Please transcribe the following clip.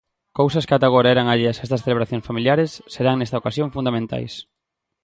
Cousas que ata agora eran alleas a estas celebracións familiares serán nesta ocasión fundamentais.